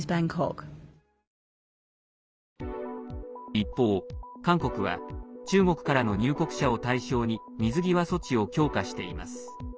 一方、韓国は中国からの入国者を対象に水際措置を強化しています。